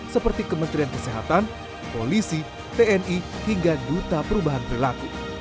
seperti kementerian kesehatan polisi tni hingga duta perubahan perilaku